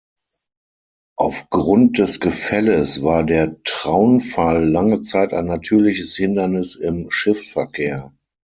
Auf Grund des Gefälles war der Traunfall lange Zeit ein natürliches Hindernis im Schiffsverkehr.